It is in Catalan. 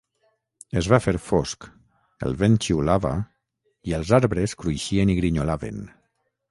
Es va fer fosc, el vent xiulava i els arbres cruixien i grinyolaven.